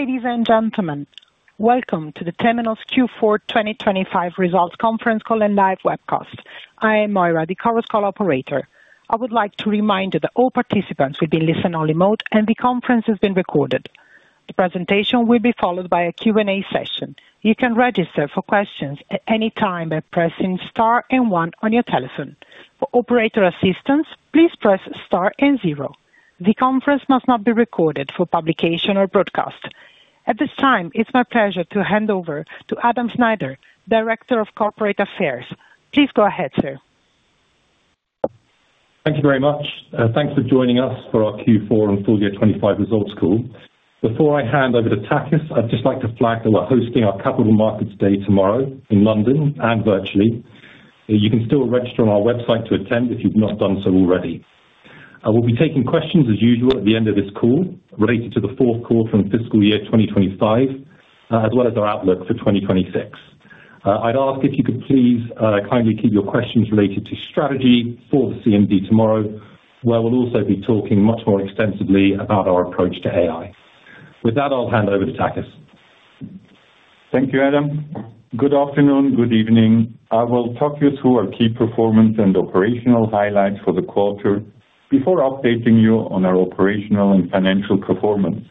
Ladies and gentlemen, welcome to the Temenos Q4 2025 Results Conference Call and live webcast. I am Moira, the Chorus Call operator. I would like to remind you that all participants will be in listen-only mode, and the conference is being recorded. The presentation will be followed by a Q&A session. You can register for questions at any time by pressing star and one on your telephone. For operator assistance, please press star and zero. The conference must not be recorded for publication or broadcast. At this time, it's my pleasure to hand over to Adam Snyder, Director of Corporate Affairs. Please go ahead, sir. Thank you very much. Thanks for joining us for our Q4 and full year 2025 results call. Before I hand over to Takis, I'd just like to flag that we're hosting our Capital Markets Day tomorrow in London and virtually. You can still register on our website to attend if you've not done so already. I will be taking questions as usual at the end of this call related to the fourth quarter and fiscal year 2025, as well as our outlook for 2026. I'd ask if you could please kindly keep your questions related to strategy for the CMD tomorrow, where we'll also be talking much more extensively about our approach to AI. With that, I'll hand over to Takis. Thank you, Adam. Good afternoon, good evening. I will talk you through our key performance and operational highlights for the quarter before updating you on our operational and financial performance.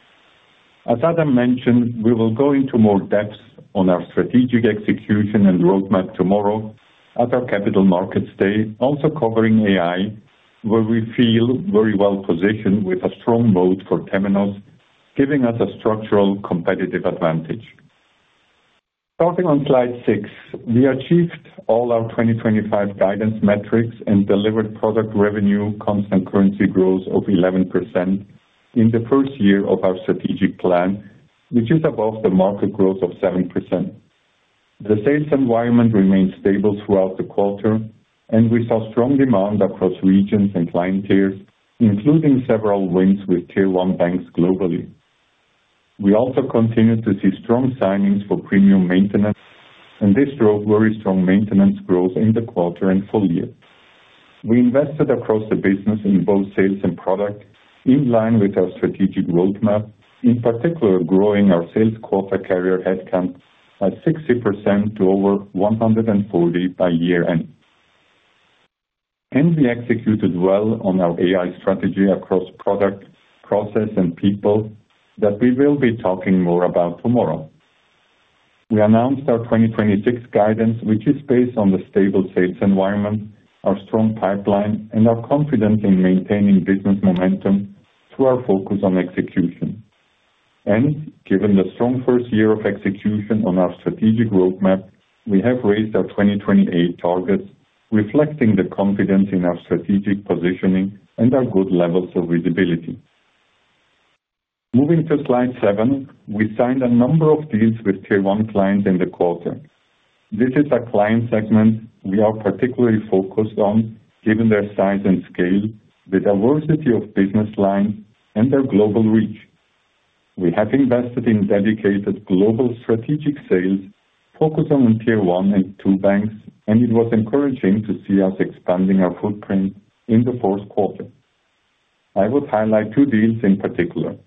As Adam mentioned, we will go into more depth on our strategic execution and roadmap tomorrow at our Capital Markets Day, also covering AI, where we feel very well-positioned with a strong road for Temenos, giving us a structural competitive advantage. Starting on slide six, we achieved all our 2025 guidance metrics and delivered product revenue, constant currency growth of 11% in the first year of our strategic plan, which is above the market growth of 7%. The sales environment remained stable throughout the quarter. We saw strong demand across regions and client tiers, including several wins with Tier 1 banks globally. We also continued to see strong signings for premium maintenance, this drove very strong maintenance growth in the quarter and full year. We invested across the business in both sales and product, in line with our strategic roadmap, in particular, growing our sales quota carrier headcount by 60% to over 140 by year-end. We executed well on our AI strategy across product, process, and people that we will be talking more about tomorrow. We announced our 2026 guidance, which is based on the stable sales environment, our strong pipeline, and our confidence in maintaining business momentum through our focus on execution. Given the strong first year of execution on our strategic roadmap, we have raised our 2028 targets, reflecting the confidence in our strategic positioning and our good levels of visibility. Moving to slide seven, we signed a number of deals with Tier 1 clients in the quarter. This is a client segment we are particularly focused on, given their size and scale, the diversity of business lines, and their global reach. We have invested in dedicated global strategic sales focused on Tier 1 and two banks, and it was encouraging to see us expanding our footprint in the fourth quarter. I would highlight two deals in particular.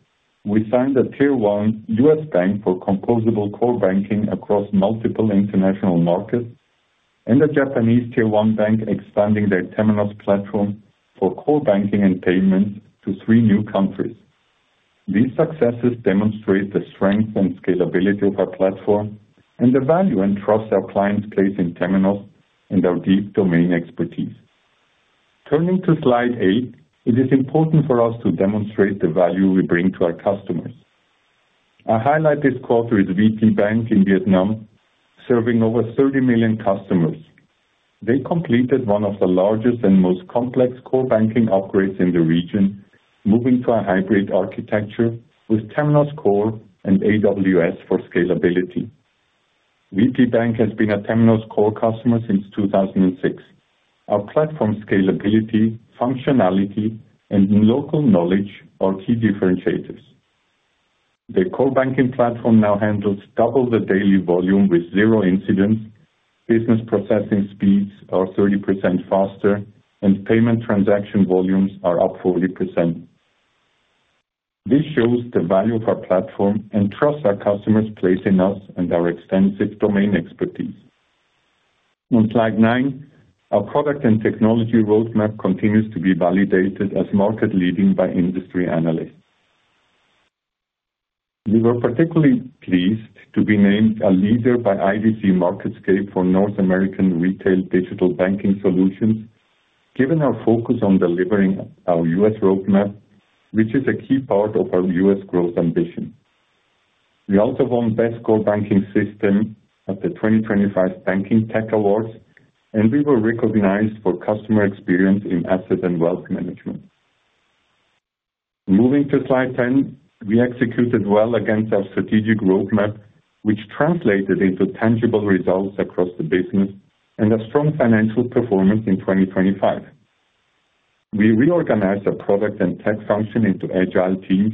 We signed a Tier 1 US bank for composable core banking across multiple international markets and a Japanese Tier 1 bank, expanding their Temenos platform for core banking and payments to three new countries. These successes demonstrate the strength and scalability of our platform and the value and trust our clients place in Temenos and our deep domain expertise. Turning to slide eight, it is important for us to demonstrate the value we bring to our customers. I highlight this quarter is VPBank in Vietnam, serving over 30 million customers. They completed one of the largest and most complex core banking upgrades in the region, moving to a hybrid architecture with Temenos Core and AWS for scalability. VPBank has been a Temenos Core customer since 2006. Our platform scalability, functionality, and local knowledge are key differentiators. The core banking platform now handles double the daily volume with zero incidents. Business processing speeds are 30% faster and payment transaction volumes are up 40%. This shows the value of our platform and trust our customers place in us and our extensive domain expertise. On slide nine, our product and technology roadmap continues to be validated as market leading by industry analysts. We were particularly pleased to be named a leader by IDC MarketScape for North America Retail Digital Banking Solutions, given our focus on delivering our U.S. roadmap, which is a key part of our U.S. growth ambition. We also won Best Core Banking System at the 2025 Banking Tech Awards, and we were recognized for customer experience in asset and wealth management. Moving to slide 10, we executed well against our strategic roadmap, which translated into tangible results across the business and a strong financial performance in 2025. We reorganized our product and tech function into agile teams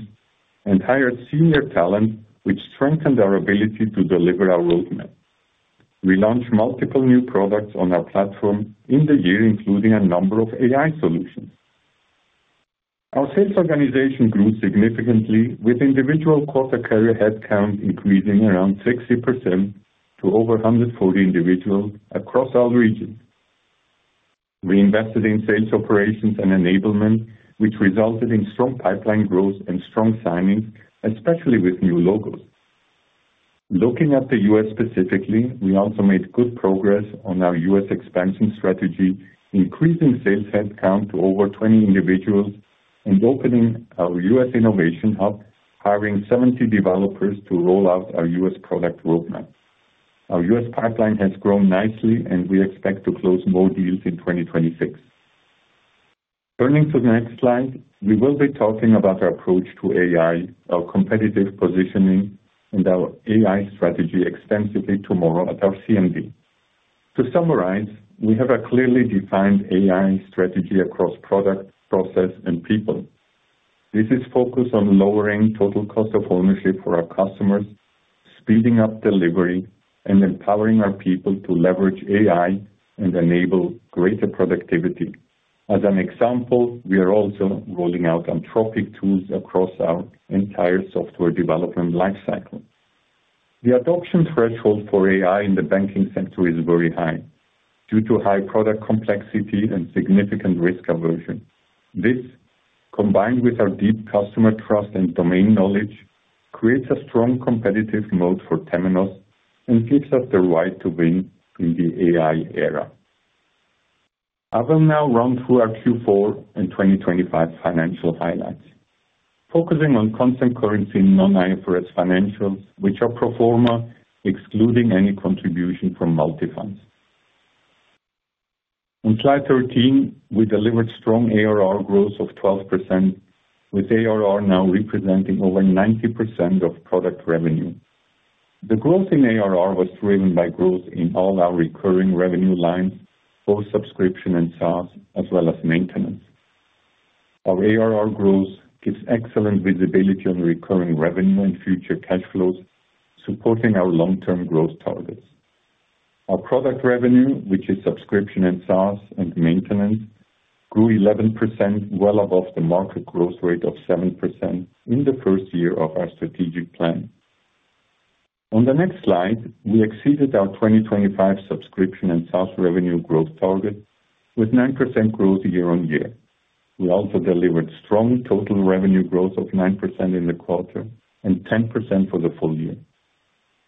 and hired senior talent, which strengthened our ability to deliver our roadmap. We launched multiple new products on our platform in the year, including a number of AI solutions. Our sales organization grew significantly, with individual quota carriers headcount increasing around 60% to over 140 individuals across our region. We invested in sales operations and enablement, which resulted in strong pipeline growth and strong signings, especially with new logos. Looking at the U.S. specifically, we also made good progress on our U.S. expansion strategy, increasing sales headcount to over 20 individuals and opening our U.S. innovation hub, hiring 70 developers to roll out our U.S. product roadmap. Our U.S. pipeline has grown nicely, and we expect to close more deals in 2026. Turning to the next slide, we will be talking about our approach to AI, our competitive positioning, and our AI strategy extensively tomorrow at our CMD. To summarize, we have a clearly defined AI strategy across product, process, and people. This is focused on lowering total cost of ownership for our customers, speeding up delivery, and empowering our people to leverage AI and enable greater productivity. As an example, we are also rolling out Anthropic tools across our entire software development life cycle. The adoption threshold for AI in the banking sector is very high due to high product complexity and significant risk aversion. This, combined with our deep customer trust and domain knowledge, creates a strong competitive mode for Temenos and gives us the right to win in the AI era. I will now run through our Q4 and 2025 financial highlights, focusing on constant currency, non-IFRS financials, which are pro forma, excluding any contribution from Multifonds. On slide 13, we delivered strong ARR growth of 12%, with ARR now representing over 90% of product revenue. The growth in ARR was driven by growth in all our recurring revenue lines, both subscription and SaaS, as well as maintenance. Our ARR growth gives excellent visibility on recurring revenue and future cash flows, supporting our long-term growth targets. Our product revenue, which is subscription and SaaS and maintenance, grew 11%, well above the market growth rate of 7% in the first year of our strategic plan. On the next slide, we exceeded our 2025 subscription and SaaS revenue growth target with 9% growth year-on-year. We also delivered strong total revenue growth of 9% in the quarter and 10% for the full year.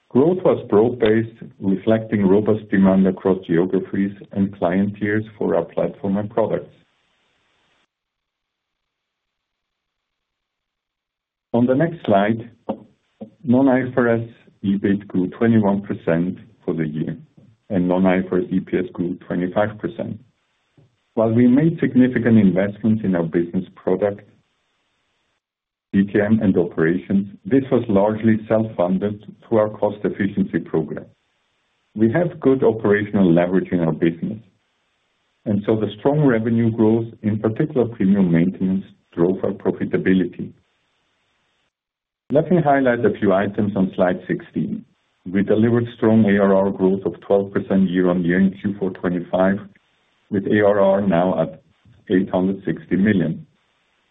Growth was broad-based, reflecting robust demand across geographies and client tiers for our platform and products. On the next slide, non-IFRS EBIT grew 21% for the year, and non-IFRS EPS grew 25%. While we made significant investments in our business product, DTM and operations, this was largely self-funded through our cost efficiency program. We have good operational leverage in our business, and so the strong revenue growth, in particular, premium maintenance, drove our profitability. Let me highlight a few items on slide 16. We delivered strong ARR growth of 12% year-on-year in Q4 2025, with ARR now at $860 million.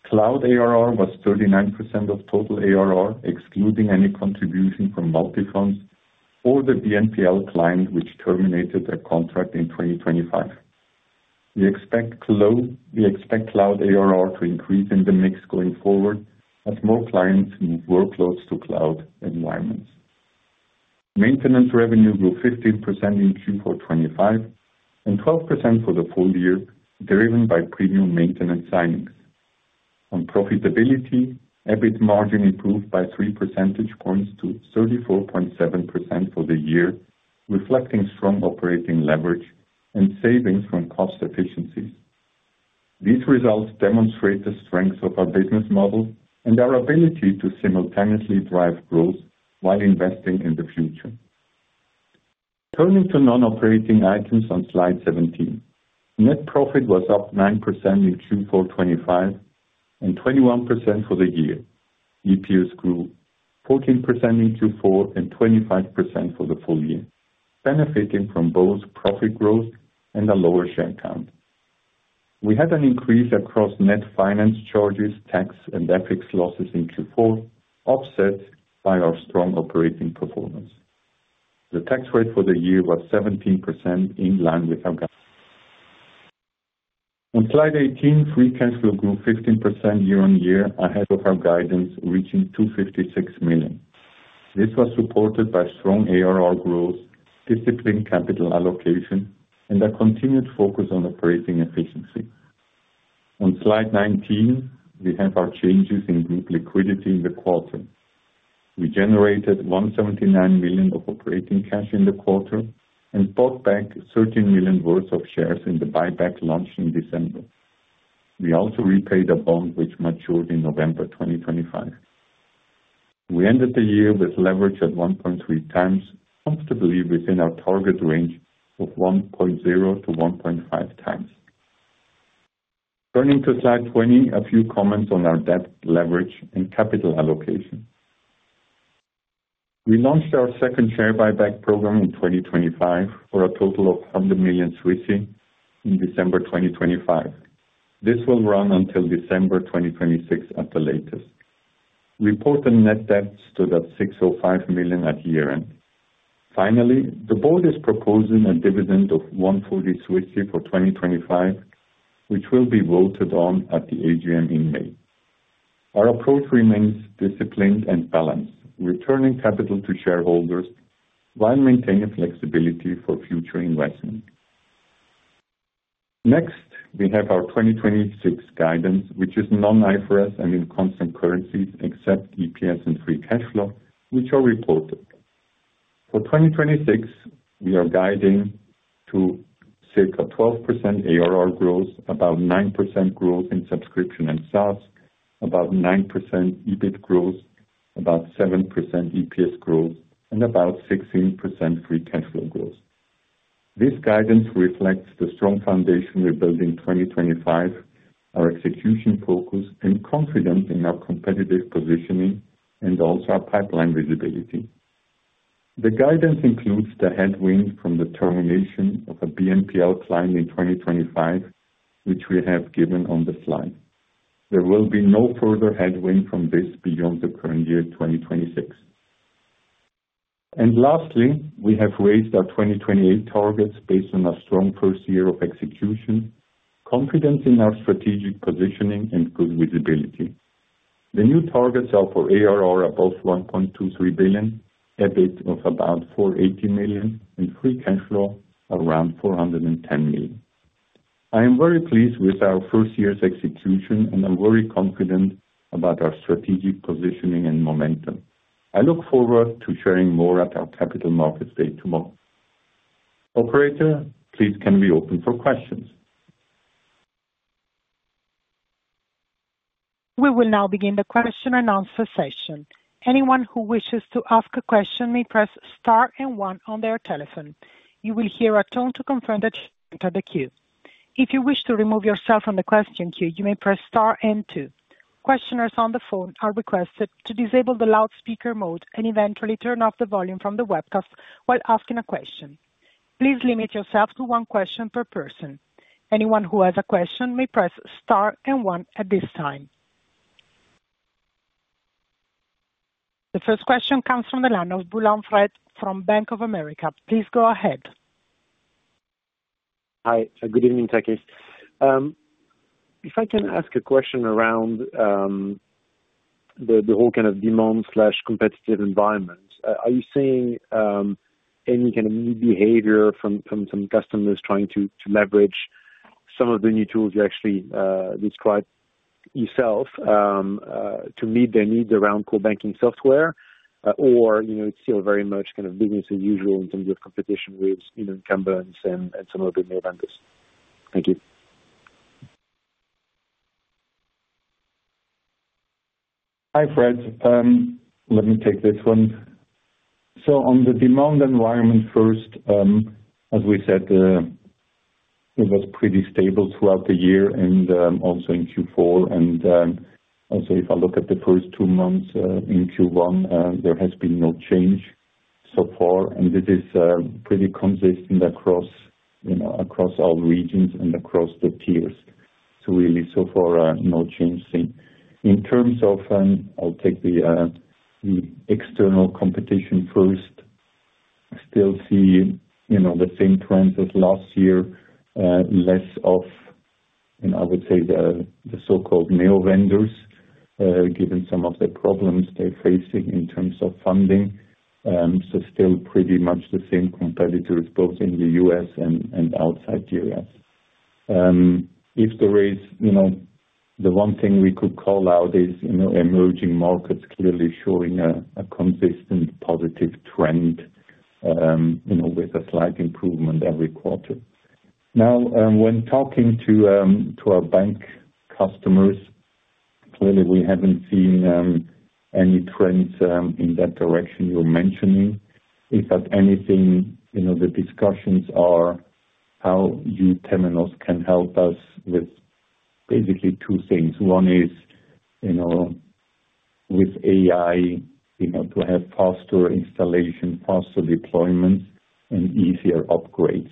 Cloud ARR was 39% of total ARR, excluding any contribution from Multifonds or the BNPL client, which terminated their contract in 2025. We expect cloud ARR to increase in the mix going forward as more clients move workloads to cloud environments. Maintenance revenue grew 15% in Q4 2025 and 12% for the full year, driven by premium maintenance signings. On profitability, EBIT margin improved by 3 percentage points to 34.7% for the year, reflecting strong operating leverage and savings from cost efficiencies. These results demonstrate the strengths of our business model and our ability to simultaneously drive growth while investing in the future. Turning to non-operating items on slide 17, net profit was up 9% in Q4 2025 and 21% for the year. EPS grew 14% in Q4 and 25% for the full year, benefiting from both profit growth and a lower share count. We had an increase across net finance charges, tax, and FX losses in Q4, offset by our strong operating performance. The tax rate for the year was 17% in line with our guide. On slide 18, free cash flow grew 15% year-on-year ahead of our guidance, reaching $256 million. This was supported by strong ARR growth, disciplined capital allocation, and a continued focus on operating efficiency. On slide 19, we have our changes in group liquidity in the quarter. We generated $179 million of operating cash in the quarter and bought back $13 million worth of shares in the buyback launch in December. We also repaid a bond, which matured in November 2025. We ended the year with leverage at 1.3x, comfortably within our target range of 1.0x-1.5x. Turning to slide 20, a few comments on our debt leverage and capital allocation. We launched our second share buyback program in 2025 for a total of 100 million in December 2025. This will run until December 2026 at the latest. Reported net debt stood at $605 million at year-end. Finally, the board is proposing a dividend of 140 Swissie for 2025, which will be voted on at the AGM in May. Our approach remains disciplined and balanced, returning capital to shareholders while maintaining flexibility for future investment. Next, we have our 2026 guidance, which is non-IFRS and in constant currencies, except EPS and free cash flow, which are reported. For 2026, we are guiding to circa 12% ARR growth, about 9% growth in subscription and SaaS, about 9% EBIT growth, about 7% EPS growth, and about 16% free cash flow growth. This guidance reflects the strong foundation we built in 2025, our execution focus and confidence in our competitive positioning, and also our pipeline visibility. The guidance includes the headwind from the termination of a BNPL client in 2025, which we have given on the slide. There will be no further headwind from this beyond the current year, 2026. Lastly, we have raised our 2028 targets based on our strong first year of execution, confidence in our strategic positioning, and good visibility. The new targets are for ARR above $1.23 billion, EBIT of about $480 million, and free cash flow around $410 million. I am very pleased with our first year's execution, and I'm very confident about our strategic positioning and momentum. I look forward to sharing more at our Capital Markets Day tomorrow. Operator, please, can we open for questions? We will now begin the question and answer session. Anyone who wishes to ask a question may press star and one on their telephone. You will hear a tone to confirm that you entered the queue. If you wish to remove yourself from the question queue, you may press star and two. Questioners on the phone are requested to disable the loudspeaker mode and eventually turn off the volume from the webcast while asking a question. Please limit yourself to one question per person. Anyone who has a question may press star and one at this time. The first question comes from the line of Frederic Boulan from Bank of America. Please go ahead. Hi, good evening, Takis. If I can ask a question around the whole kind of demand slash competitive environment, are you seeing any kind of new behavior from some customers trying to leverage some of the new tools you actually described yourself to meet their needs around core banking software? You know, it's still very much kind of business as usual in terms of competition with, you know, Incumbents and some of the new vendors? Thank you. Hi, Fred. Let me take this one. On the demand environment first, as we said, it was pretty stable throughout the year and also in Q4. Also, if I look at the first two months in Q1, there has been no change so far, and it is pretty consistent across, you know, across all regions and across the tiers. Really, so far, no change seen. In terms of, I'll take the external competition first. I still see, you know, the same trends as last year, less of, you know, I would say, the so-called neo-vendors, given some of the problems they're facing in terms of funding. Still pretty much the same competitors, both in the U.S. and outside Europe. If there is, you know, the one thing we could call out is, you know, emerging markets clearly showing a consistent positive trend, you know, with a slight improvement every quarter. When talking to our bank customers, clearly we haven't seen any trends in that direction you're mentioning. If at anything, you know, the discussions are how you, Temenos, can help us with basically two things. One is, you know, with AI, you know, to have faster installation, faster deployment, and easier upgrades.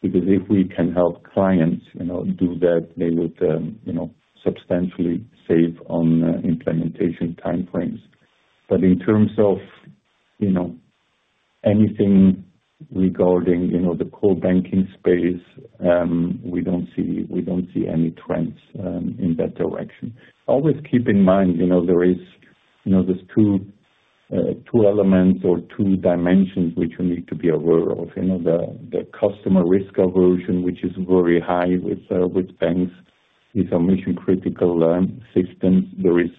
If we can help clients, you know, do that, they would, you know, substantially save on implementation timeframes. In terms of, you know, anything regarding, you know, the core banking space, we don't see any trends in that direction. Always keep in mind, you know, there is, you know, there's two elements or two dimensions which you need to be aware of. You know, the customer risk aversion, which is very high with banks, is a mission-critical system. There is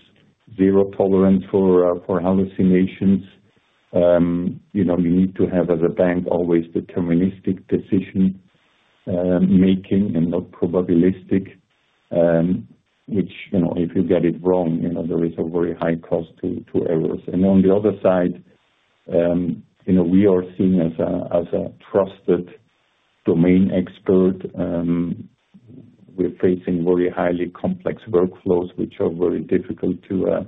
zero tolerance for hallucinations. You know, you need to have, as a bank, always deterministic decision making and not probabilistic. Which, you know, if you get it wrong, you know, there is a very high cost to errors. On the other side you know, we are seen as a trusted domain expert. We're facing very highly complex workflows which are very difficult to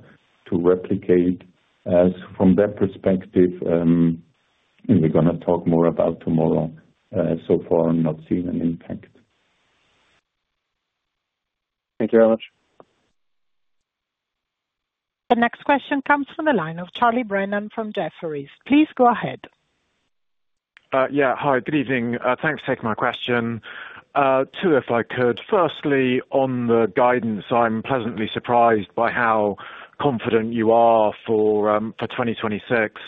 replicate. As from that perspective, we're gonna talk more about tomorrow. So far, I'm not seeing an impact. Thank you very much. The next question comes from the line of Charles Brennan from Jefferies. Please go ahead. Yeah, hi, good evening. Thanks for taking my question. Two, if I could. Firstly, on the guidance, I'm pleasantly surprised by how confident you are for 2026.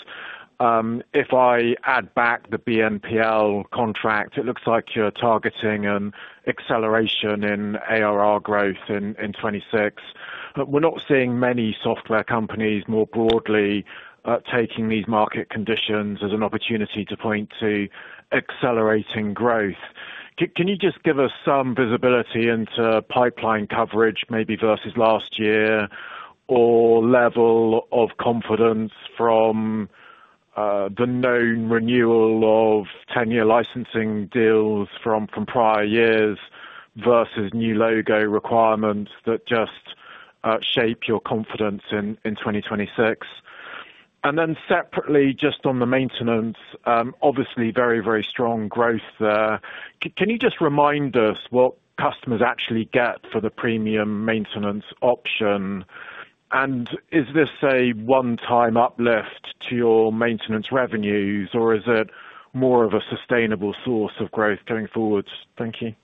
If I add back the BNPL contract, it looks like you're targeting an acceleration in ARR growth in 2026. We're not seeing many software companies more broadly taking these market conditions as an opportunity to point to accelerating growth. Can you just give us some visibility into pipeline coverage, maybe versus last year, or level of confidence from the known renewal of 10-year licensing deals from prior years versus new logo requirements that just shape your confidence in 2026? Separately, just on the maintenance, obviously very, very strong growth there. Can you just remind us what customers actually get for the premium maintenance option? Is this a one-time uplift to your maintenance revenues, or is it more of a sustainable source of growth going forward? Thank you.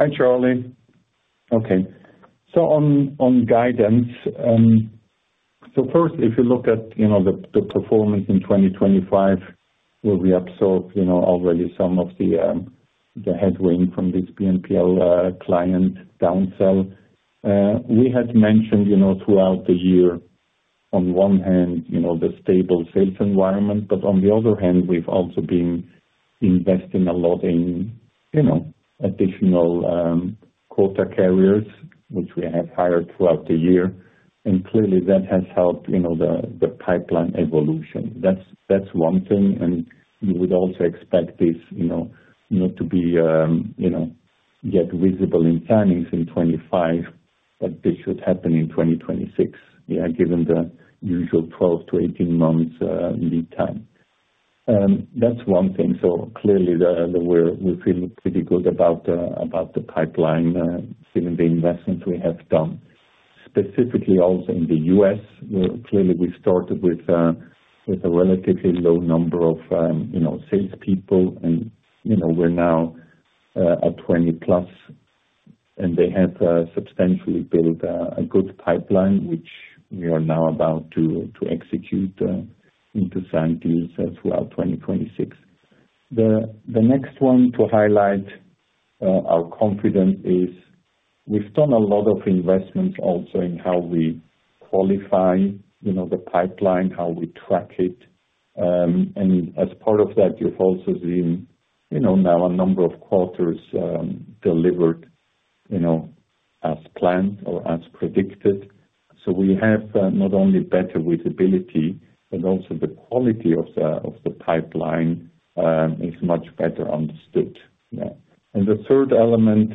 Hi, Charlie. Okay, so on guidance, so first, if you look at, you know, the performance in 2025, where we absorbed, you know, already some of the headwind from this BNPL client downsell. We had mentioned, you know, throughout the year, on one hand, you know, the stable sales environment, but on the other hand, we've also been investing a lot in, you know, additional quota carriers, which we have hired throughout the year, and clearly that has helped, you know, the pipeline evolution. That's one thing, and you would also expect this, you know, to be, you know, get visible in plannings in 2025, but this should happen in 2026, yeah, given the usual 12 months to 18 months lead time. That's one thing. Clearly, we're feeling pretty good about the pipeline given the investments we have done. Specifically also in the U.S., where clearly we started with a relatively low number of, you know, salespeople and, you know, we're now at 20 plus, and they have substantially built a good pipeline, which we are now about to execute into sign deals throughout 2026. The next one to highlight our confidence is we've done a lot of investments also in how we qualify, you know, the pipeline, how we track it. And as part of that, you've also seen, you know, now a number of quarters delivered, you know, as planned or as predicted. We have not only better visibility, but also the quality of the pipeline is much better understood. Yeah. The third element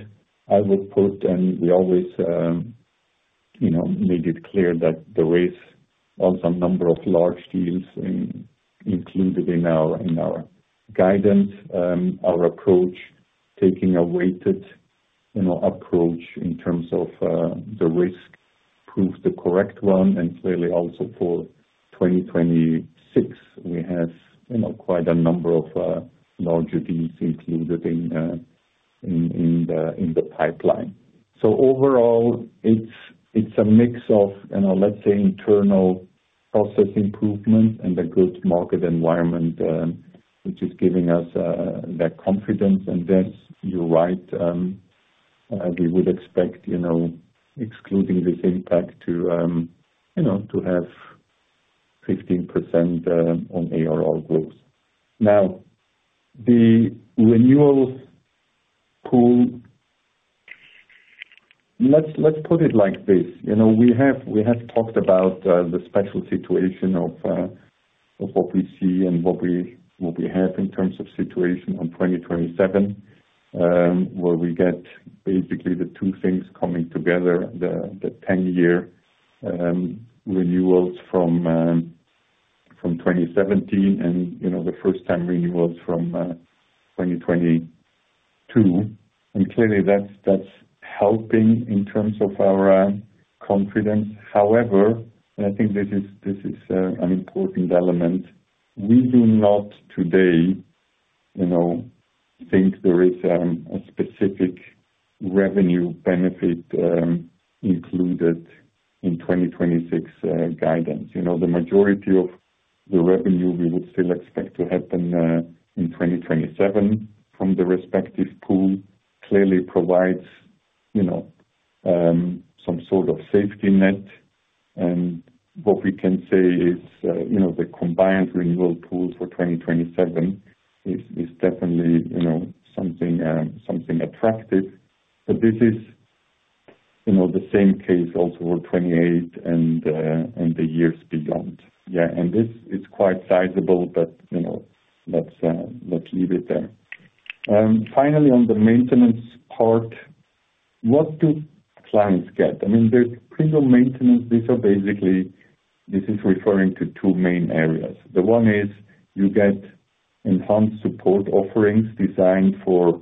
I would put, and we always, you know, made it clear that there is also a number of large deals included in our guidance. Our approach, taking a weighted, you know, approach in terms of the risk, proved the correct one. Clearly also for 2026, we have, you know, quite a number of larger deals included in the pipeline. Overall, it's a mix of, you know, let's say, internal process improvement and a good market environment, which is giving us that confidence. That's, you're right, we would expect, you know, excluding this impact to, you know, to have 15% on ARR growth. The renewals pool... Let's put it like this, you know, we have talked about the special situation of what we see and what we have in terms of situation on 2027, where we get basically the two things coming together, the 10-year renewals from 2017 and, you know, the first time renewals from 2022. Clearly, that's helping in terms of our confidence. However, I think this is an important element, we do not today, you know, think there is a specific revenue benefit included in 2026 guidance. You know, the majority of the revenue we would still expect to happen in 2027 from the respective pool, clearly provides, you know, some sort of safety net. What we can say is, you know, the combined renewal pool for 2027 is definitely, you know, something attractive. This is, you know, the same case also for 2028 and the years beyond. This is quite sizable, but, you know, let's leave it there. Finally, on the maintenance part, what do clients get? I mean, there's premium maintenance. These are basically, this is referring to two main areas. The one is you get enhanced support offerings designed for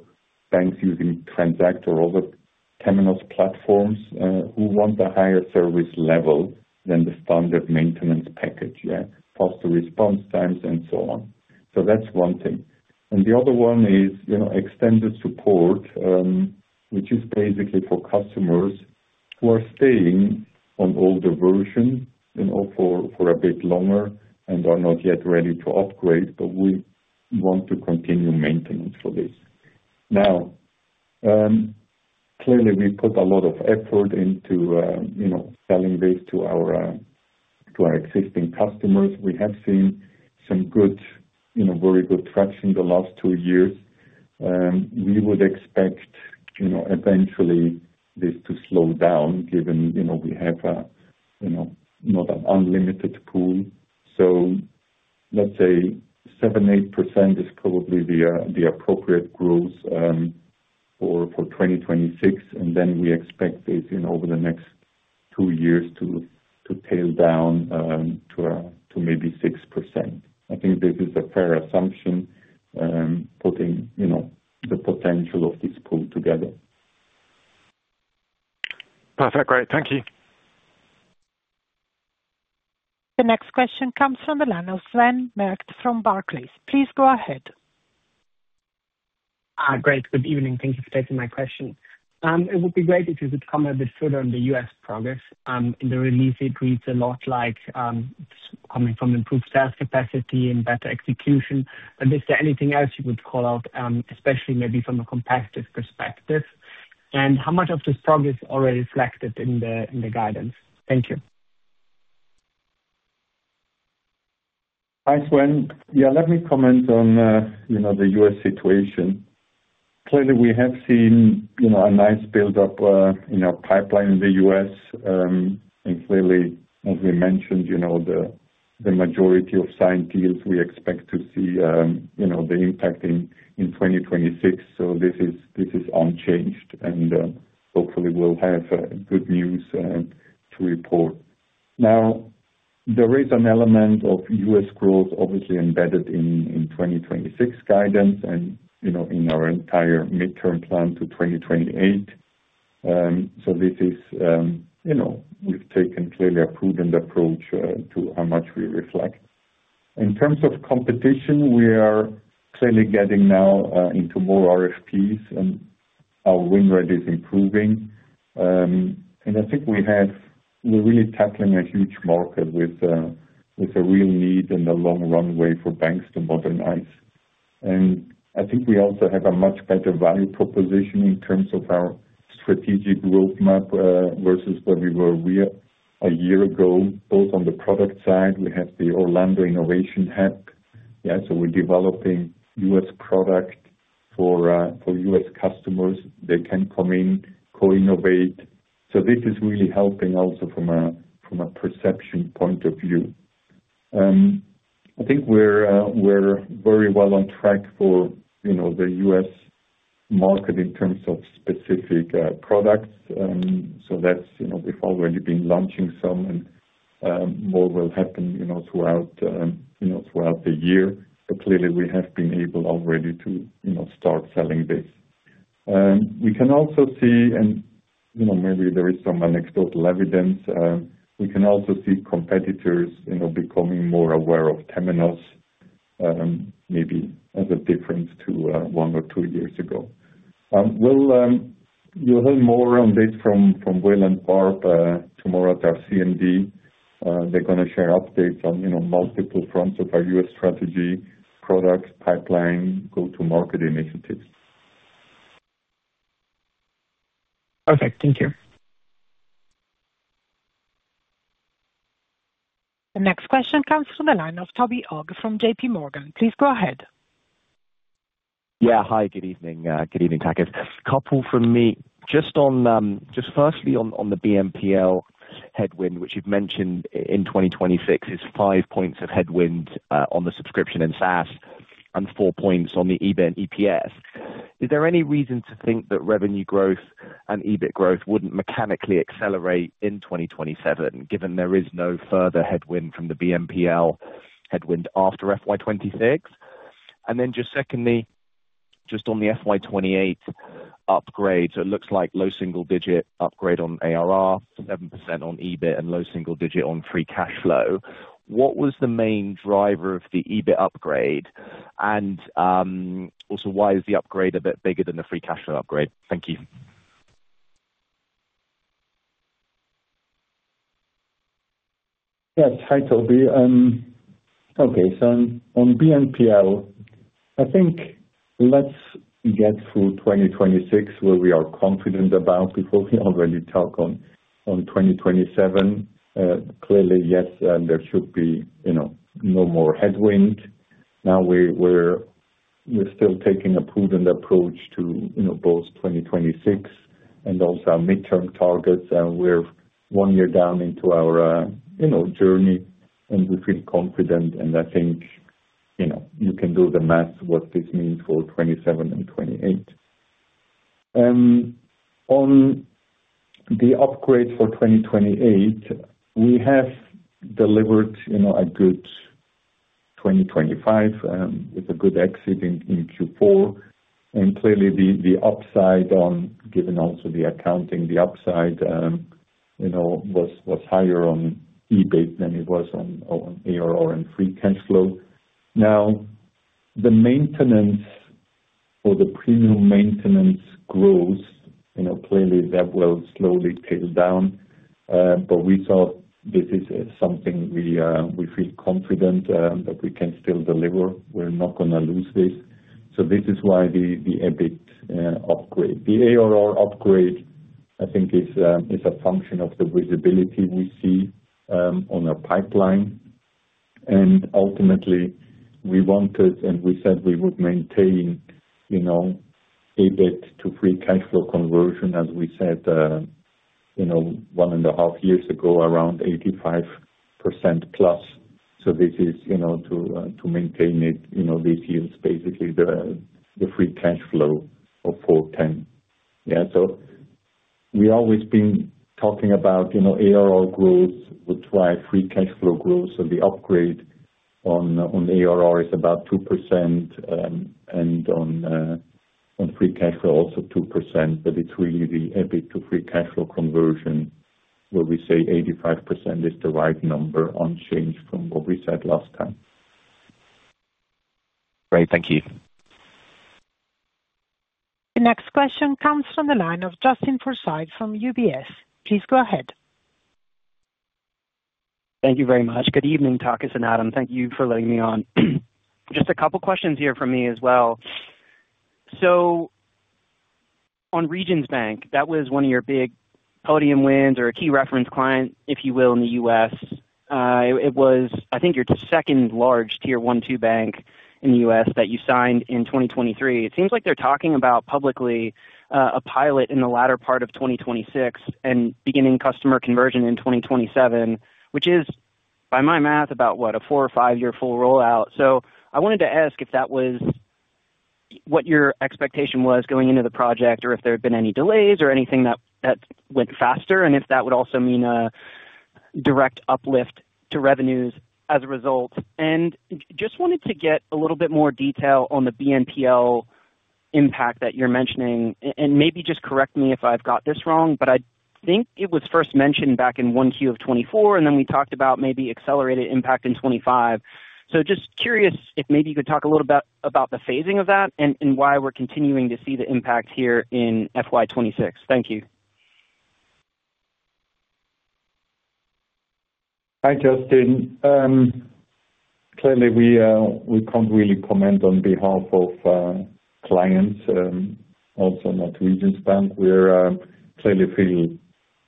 banks using Transact or other Temenos platforms who want a higher service level than the standard maintenance package. Faster response times and so on. That's one thing. The other one is, you know, extended support, which is basically for customers who are staying on older version, you know, for a bit longer and are not yet ready to upgrade, but we want to continue maintenance for this. Clearly, we put a lot of effort into, you know, selling this to our existing customers. We have seen some good, you know, very good traction the last two years. We would expect, you know, eventually this to slow down, given, you know, we have a, you know, not an unlimited pool. Let's say 7%-8% is probably the appropriate growth for 2026, and then we expect this in over the next two years to tail down to maybe 6%. I think this is a fair assumption, putting, you know, the potential of this pool together. Perfect. Great, thank you. The next question comes from the line of Sven Merkt from Barclays. Please go ahead. Great. Good evening. Thank you for taking my question. It would be great if you could comment a bit further on the U.S. progress. In the release, it reads a lot like coming from improved sales capacity and better execution. Is there anything else you would call out, especially maybe from a competitive perspective? How much of this progress is already reflected in the guidance? Thank you. Hi, Sven. Yeah, let me comment on, you know, the U.S. situation. Clearly, we have seen, you know, a nice build-up in our pipeline in the U.S. Clearly, as we mentioned, you know, the majority of signed deals, we expect to see, you know, the impact in 2026. This is unchanged, and hopefully we'll have good news to report. There is an element of U.S. growth obviously embedded in 2026 guidance and, you know, in our entire midterm plan to 2028. This is, you know, we've taken clearly a prudent approach to how much we reflect. In terms of competition, we are clearly getting now into more RFPs, and our win rate is improving. I think we're really tackling a huge market with a real need and a long runway for banks to modernize. I think we also have a much better value proposition in terms of our strategic roadmap versus where we were a year ago, both on the product side, we have the Orlando innovation hub. We're developing U.S. product for U.S. customers. They can come in, co-innovate. This is really helping also from a, from a perception point of view. I think we're very well on track for, you know, the U.S. market in terms of specific products. That's, you know, we've already been launching some and more will happen, you know, throughout, you know, throughout the year. Clearly we have been able already to, you know, start selling this. We can also see and, you know, maybe there is some anecdotal evidence, we can also see competitors, you know, becoming more aware of Temenos, maybe as a difference to one or two years ago. You'll hear more on this from Will and Barb, tomorrow at our CMD. They're gonna share updates on, you know, multiple fronts of our U.S. strategy, product, pipeline, go-to-market initiatives. Perfect. Thank you. The next question comes from the line of Toby Ogg from JP Morgan. Please go ahead. Hi, good evening. Good evening, Takis. A couple from me. Just on, just firstly, on the BNPL headwind, which you've mentioned in 2026, is 5 points of headwind on the subscription and SaaS, and 4 points on the EBIT and EPS. Is there any reason to think that revenue growth and EBIT growth wouldn't mechanically accelerate in 2027, given there is no further headwind from the BNPL headwind after FY 26? Just secondly, just on the FY 28 upgrade, so it looks like low single digit upgrade on ARR, 7% on EBIT, and low single digit on free cash flow. What was the main driver of the EBIT upgrade? Also, why is the upgrade a bit bigger than the free cash flow upgrade? Thank you. Yes. Hi, Toby. Okay, on BNPL, I think let's get through 2026, where we are confident about before we already talk on 2027. Clearly, yes, there should be, you know, no more headwind. We're still taking a prudent approach to, you know, both 2026 and also our midterm targets, and we're one year down into our, you know, journey, and we feel confident, and I think, you know, you can do the math, what this means for 2027 and 2028. On the upgrade for 2028, we have delivered, you know, a good 2025, with a good exit in Q4. Clearly, the upside given also the accounting, the upside, you know, was higher on EBIT than it was on ARR and free cash flow. Now, the maintenance or the premium maintenance growth, you know, clearly that will slowly tail down, but we thought this is something we feel confident that we can still deliver. We're not gonna lose this. This is why the EBIT upgrade. The ARR upgrade, I think, is a function of the visibility we see on our pipeline, and ultimately we wanted, and we said we would maintain, you know, EBIT to free cash flow conversion, as we said, you know, one and a half years ago, around 85%+. This is, you know, to maintain it, you know, this year's basically the free cash flow of $410. We've always been talking about, you know, ARR growth, that's why free cash flow growth. The upgrade on ARR is about 2%, and on free cash flow, also 2%, but it's really the EBIT to free cash flow conversion, where we say 85% is the right number on change from what we said last time. Great. Thank you. The next question comes from the line of Justin Forsythe from UBS. Please go ahead. Thank you very much. Good evening, Takis and Adam. Thank you for letting me on. Just a couple questions here from me as well. On Regions Bank, that was one of your big podium wins or a key reference client, if you will, in the U.S. It was, I think, your second large Tier 1, 2 bank in the U.S. that you signed in 2023. It seems like they're talking about publicly, a pilot in the latter part of 2026 and beginning customer conversion in 2027, which is, by my math, about, what? A four-year or five-year full rollout. I wanted to ask if that was what your expectation was going into the project, or if there had been any delays or anything that went faster, and if that would also mean a direct uplift to revenues as a result? Just wanted to get a little bit more detail on the BNPL impact that you're mentioning, and maybe just correct me if I've got this wrong, but I think it was first mentioned back in 1Q of 2024, and then we talked about maybe accelerated impact in 2025. Just curious if maybe you could talk a little about the phasing of that and why we're continuing to see the impact here in FY 2026. Thank you. Hi, Justin. Clearly we can't really comment on behalf of clients, also not Regions Bank. We're clearly feel,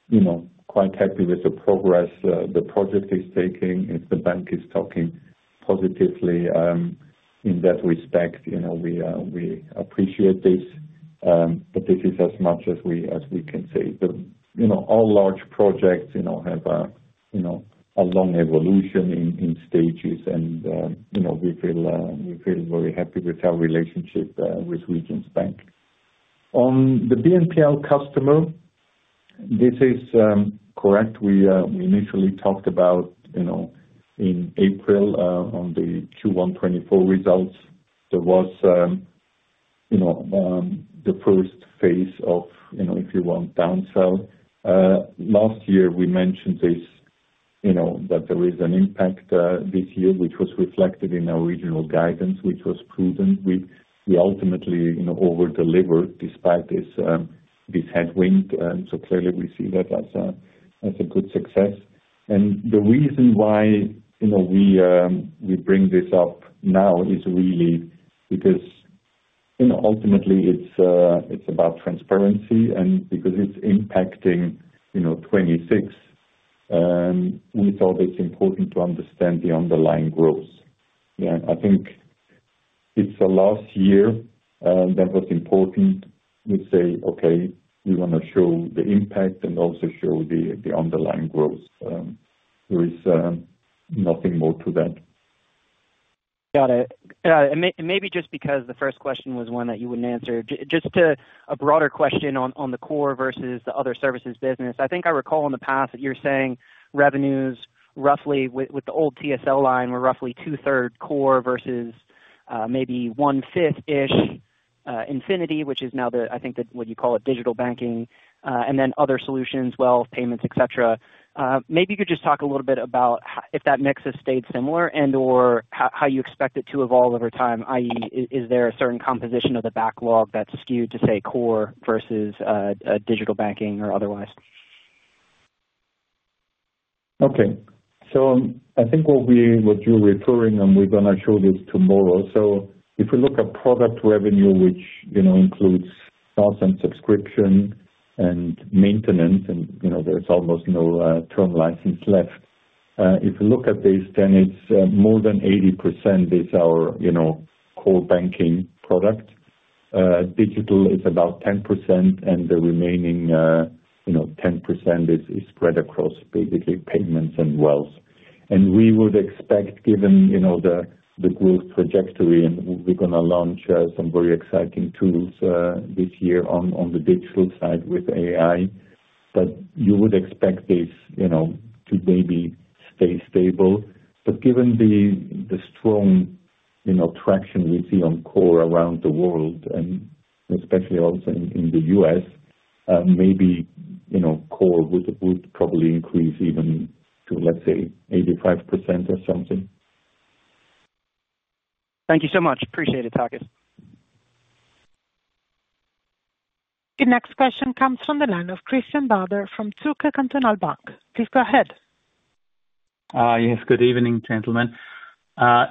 you know, quite happy with the progress the project is taking. If the bank is talking positively, in that respect, you know, we appreciate this, but this is as much as we, as we can say. You know, all large projects, you know, have a, you know, a long evolution in stages, and, you know, we feel very happy with our relationship with Regions Bank. On the BNPL customer, this is correct. We initially talked about, you know, in April, on the Q1 2024 results, there was, you know, the first phase of, you know, if you want, downsell. Last year we mentioned this, you know, that there is an impact this year, which was reflected in our regional guidance, which was proven. We ultimately, you know, over-delivered despite this headwind. Clearly we see that as a good success. The reason why, you know, we bring this up now is really because, you know, ultimately it's about transparency, and because it's impacting, you know, 26, we thought it's important to understand the underlying growth. Yeah, I think it's the last year that was important. We say, "Okay, we wanna show the impact and also show the underlying growth." There is nothing more to that. Got it. Maybe just because the first question was one that you wouldn't answer. Just to a broader question on the core versus the other services business. I think I recall in the past that you were saying revenues, roughly with the old TSL line, were roughly 2/3 core versus maybe one-fifth-ish Infinity, which is now the, I think, the what you call it, digital banking, and then other solutions, wealth, payments, et cetera. Maybe you could just talk a little bit about if that mix has stayed similar and/or how you expect it to evolve over time, i.e, is there a certain composition of the backlog that's skewed to, say, core versus digital banking or otherwise? Okay. I think what we, what you're referring, and we're gonna show this tomorrow. If we look at product revenue, which, you know, includes sales and maintenance, and, you know, there's almost no term license left. If you look at this, then it's more than 80% is our, you know, core banking product. Digital is about 10%, and the remaining, you know, 10% is spread across basically payments and wealth. We would expect, given, you know, the growth trajectory, and we're gonna launch some very exciting tools this year on the digital side with AI. You would expect this, you know, to maybe stay stable. Given the strong, you know, traction we see on core around the world, and especially also in the US, maybe, you know, core would probably increase even to, let's say, 85% or something. Thank you so much. Appreciate it, Takis. The next question comes from the line of Christian Bader from Zürcher Kantonalbank. Please go ahead. Yes. Good evening, gentlemen.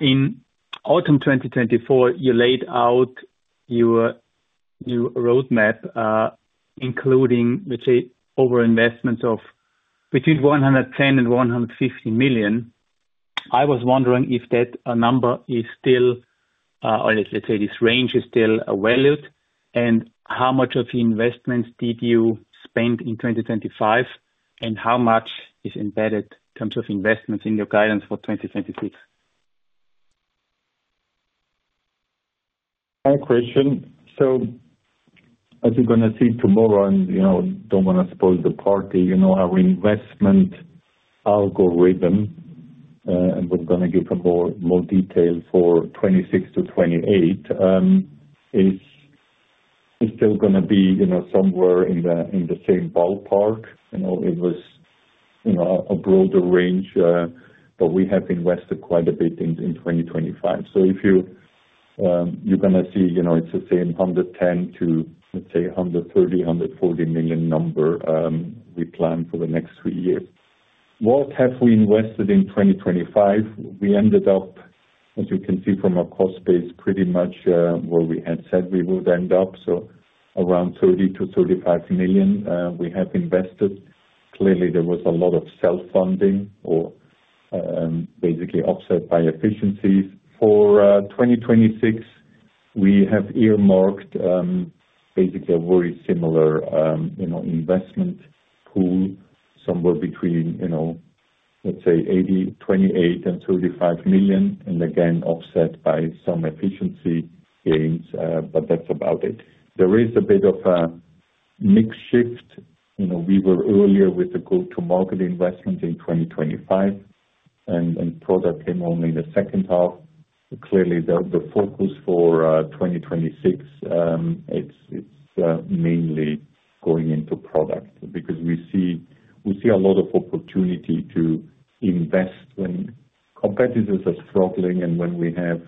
In autumn 2024, you laid out your roadmap, including, let's say, over investment of between $110 million and $150 million. I was wondering if that number is still, or let's say this range is still valid, and how much of the investments did you spend in 2025, and how much is embedded in terms of investments in your guidance for 2026? Hi, Christian. As you're gonna see tomorrow, and, you know, don't wanna spoil the party, you know, our investment algorithm, and we're gonna give more detail for 2026-2028, is still gonna be, you know, somewhere in the same ballpark. You know, it was, you know, a broader range, but we have invested quite a bit in 2025. If you're gonna see, you know, it's the same $110 million to, let's say, $130 million, $140 million number we plan for the next three years. What have we invested in 2025? We ended up, as you can see from our cost base, pretty much where we had said we would end up, so around $30 million-$35 million we have invested. Clearly, there was a lot of self-funding or basically offset by efficiencies. For 2026, we have earmarked basically a very similar, you know, investment pool, somewhere between, you know, let's say $80 million, $28 million and $35 million, and again, offset by some efficiency gains, but that's about it. There is a bit of a mix shift. You know, we were earlier with the go-to-market investment in 2025, and product came only in the second half. Clearly, the focus for 2026, it's mainly going into product. Because we see a lot of opportunity to invest when competitors are struggling and when we have,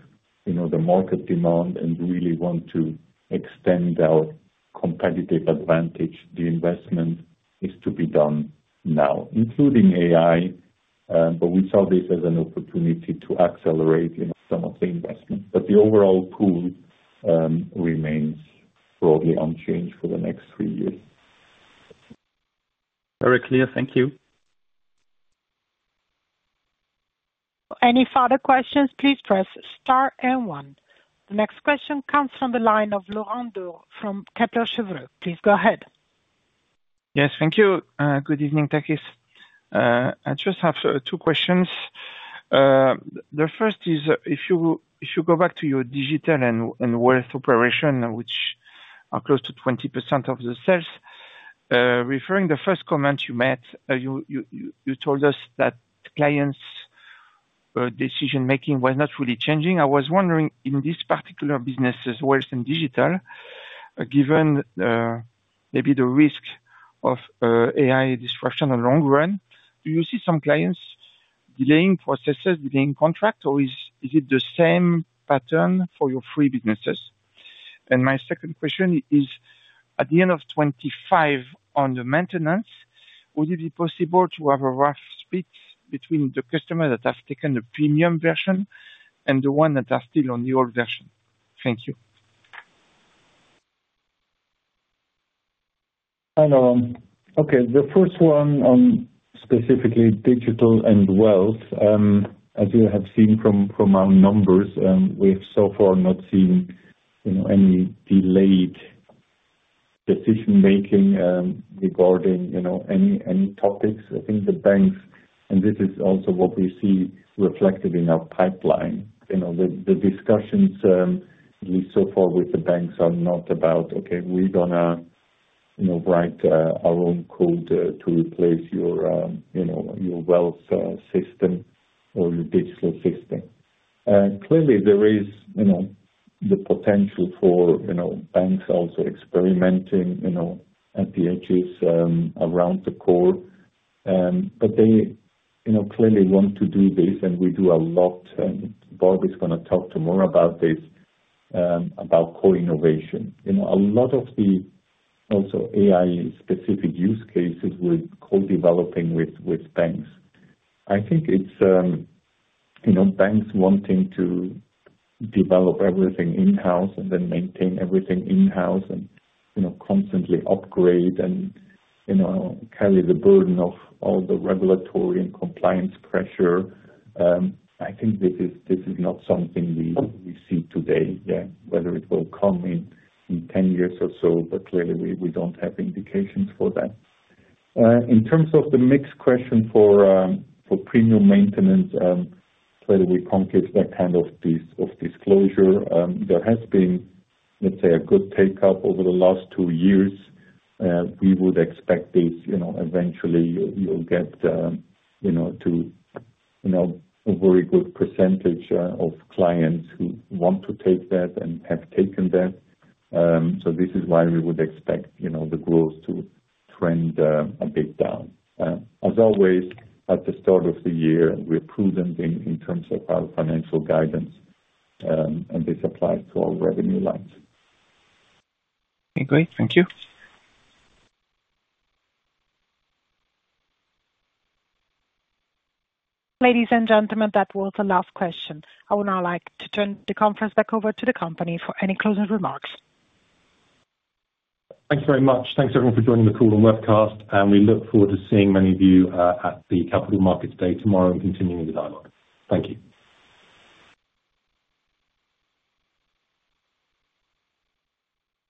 you know, the market demand and really want to extend our competitive advantage. The investment is to be done now, including AI, but we saw this as an opportunity to accelerate in some of the investments. The overall pool, remains broadly unchanged for the next 3 years. Very clear. Thank you. Any further questions, please press star and one. The next question comes from the line of Laurent Daudre from Kepler Cheuvreux. Please go ahead. Yes, thank you. Good evening, Takis. I just have two questions. The first is, if you go back to your digital and wealth operation, which are close to 20% of the sales, referring the first comment you made, you told us that clients' decision-making was not really changing. I was wondering, in this particular businesses, wealth and digital, given maybe the risk of AI disruption in the long run, do you see some clients delaying processes, delaying contract, or is it the same pattern for your three businesses? My second question is: at the end of 2025, on the maintenance, would it be possible to have a rough split between the customers that have taken the premium version and the one that are still on the old version? Thank you. Hello. Okay. The first one on specifically digital and wealth. As you have seen from our numbers, we have so far not seen, you know, any delayed decision-making regarding, you know, any topics. I think the banks, and this is also what we see reflected in our pipeline, you know, the discussions, at least so far with the banks are not about, okay, we're gonna, you know, write our own code to replace your, you know, your wealth system or your digital system. Clearly there is, you know, the potential for, you know, banks also experimenting, you know, at the edges around the core. They, you know, clearly want to do this, and we do a lot, and Bob is gonna talk tomorrow about this about co-innovation. You know, a lot of the also AI-specific use cases we're co-developing with banks. I think it's, you know, banks wanting to develop everything in-house and then maintain everything in-house and, you know, constantly upgrade and, you know, carry the burden of all the regulatory and compliance pressure. I think this is, this is not something we see today, yeah. Whether it will come in 10 years or so, but clearly we don't have indications for that. In terms of the mixed question for premium maintenance, clearly, we can't give that kind of of disclosure. There has been, let's say, a good take-up over the last two years, we would expect this, you know, eventually you'll get, you know, to, you know, a very good percentage, of clients who want to take that and have taken that. This is why we would expect, you know, the growth to trend, a bit down. As always, at the start of the year, we are prudent in terms of our financial guidance, this applies to our revenue lines. Okay, great. Thank you. Ladies and gentlemen, that was the last question. I would now like to turn the conference back over to the company for any closing remarks. Thanks very much. Thanks, everyone, for joining the call and webcast. We look forward to seeing many of you at the Capital Markets Day tomorrow and continuing the dialogue. Thank you.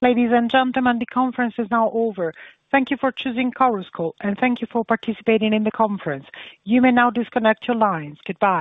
Ladies and gentlemen, the conference is now over. Thank you for choosing Chorus Call, and thank you for participating in the conference. You may now disconnect your lines. Goodbye.